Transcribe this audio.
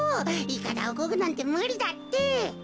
いかだをこぐなんてむりだって。